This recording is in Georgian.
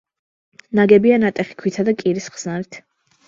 ნაგებია ნატეხი ქვითა და კირის ხსნარით.